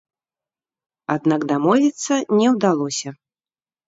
Аднак дамовіцца не ўдалося.